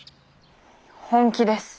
本気です。